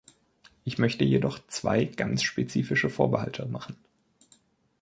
Ich möchte jedoch zwei ganz spezifische Vorbehalte machen.